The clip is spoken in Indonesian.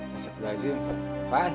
masak gajian fan